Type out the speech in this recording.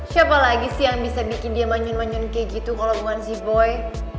siapa lagi sih yang bisa bikin dia manyun manyun kayak gitu kalau bukan sea boy